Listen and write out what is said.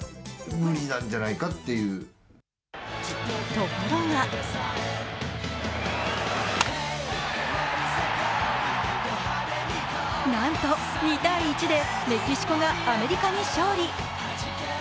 ところがなんと２−１でメキシコがアメリカに勝利。